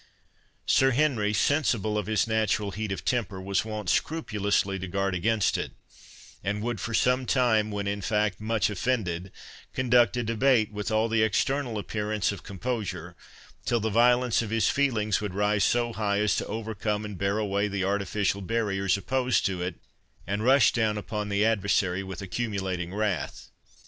Sir Henry, sensible of his natural heat of temper, was wont scrupulously to guard against it, and would for some time, when in fact much offended, conduct a debate with all the external appearance of composure, till the violence of his feelings would rise so high as to overcome and bear away the artificial barriers opposed to it, and rush down upon the adversary with accumulating wrath.